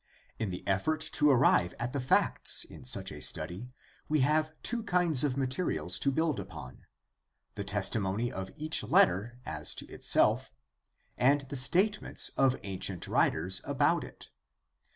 In the elTort to arrive at the facts in such a study we have two kinds of materials to build upon, the testimony of each letter as to itself and the statements of ancient writers about it.